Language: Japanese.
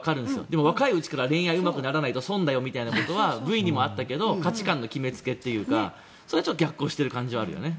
でも、若いうちから恋愛がうまくならないと損だよみたいなことはＶＴＲにもあったけど価値観の決めつけというかそれはちょっと逆行している感じがあるよね。